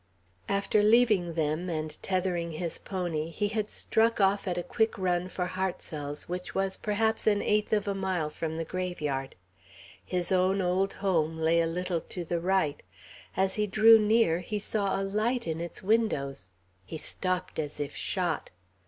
After leaving them, and tethering his pony, he had struck off at a quick run for Hartsel's, which was perhaps an eighth of a mile from the graveyard. His own old home lay a little to the right. As he drew near, he saw a light in its windows. He stopped as if shot.